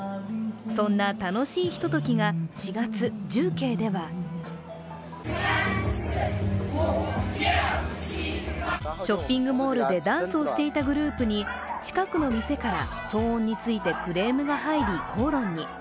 そんな楽しいひとときが４月、重慶ではショッピングモールでダンスをしていたグループに近くの店から騒音についてクレームが入り、口論に。